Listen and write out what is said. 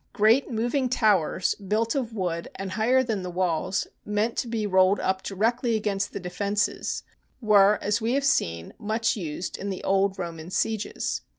Great moving towers, built of wood and higher than the walls, meant to be rolled up directly against the defences, were, as we have seen, much used in the old Roman sieges.